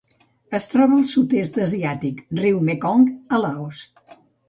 Es troba al Sud-est asiàtic: riu Mekong a Laos.